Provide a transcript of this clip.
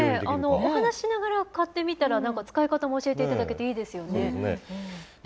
お話ししながら買ってみたら、使い方も教えていただけていいですよね。